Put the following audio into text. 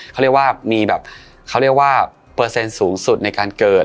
เขาเรียกว่ามีเปอร์เซ็นต์สูงสุดในการเกิด